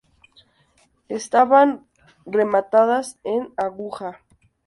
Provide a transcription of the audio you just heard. Estaban rematadas en aguja.